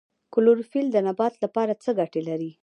کلوروفیل د نبات لپاره څه ګټه لري